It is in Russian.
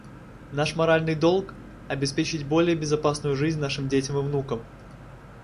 Наш моральный долг — обеспечить более безопасную жизнь нашим детям и внукам.